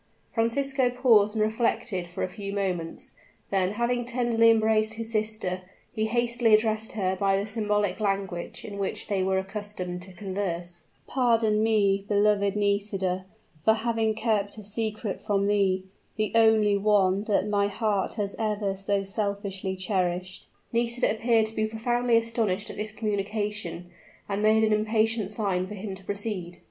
Francisco paused and reflected for a few moments; then, having tenderly embraced his sister, he hastily addressed her by the symbolic language in which they were accustomed to converse: "Pardon me, beloved Nisida, for having kept a secret from thee the only one that my heart has ever so selfishly cherished." Nisida appeared to be profoundly astonished at this communication, and made an impatient sign for him to proceed.